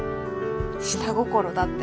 下心だって。